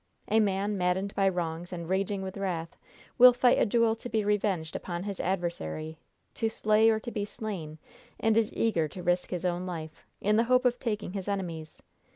A man maddened by wrongs, and raging with wrath, will fight a duel to be revenged upon his adversary, to slay or to be slain, and is eager to risk his own life, in the hope of taking his enemy's.